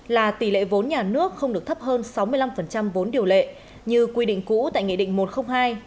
là tỷ lệ vốn nhà nước không được thấp hơn sáu mươi năm vốn điều lệ như quy định cũ tại nghị định một trăm linh hai